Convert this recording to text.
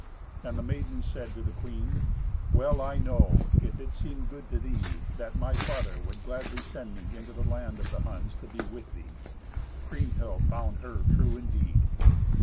And the maiden said to the queen, "Well I know, if it seem good to thee, that my father would gladly send me into the land of the Huns to be with thee." Kriemhild found her true indeed!